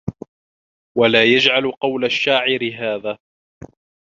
وَلَا يَجْعَلُ قَوْلَ الشَّاعِرِ هَذَا